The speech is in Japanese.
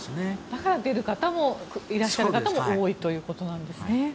だから出る方もいらっしゃる方も多いということなんですね。